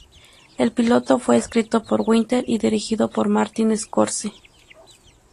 El piloto fue escrito por Winter y dirigido por Martin Scorsese.